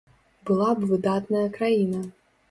Была б выдатная краіна.